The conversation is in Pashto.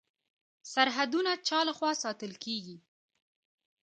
سرحدونه چا لخوا ساتل کیږي؟